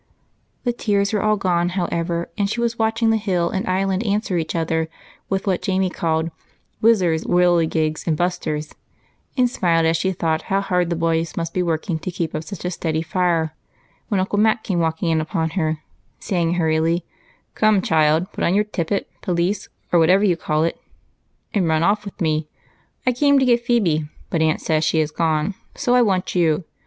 " The tears were all gone, however, and she was watching the hill and island answer each other with what Jamie called " whizzers, whirligigs, and busters," and smiling as she thought how hard the boys must be working to keep up such a steady fire, when Uncle Mac came walking in upon her, saying hurriedly, —" Come, child, put on your tippet, pelisse, or what ever you call it, and run off with me. I came to get Phebe, but aunt says she is gone, so I want you.